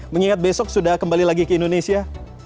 mengingat besok sudah kembali lagi ke indonesia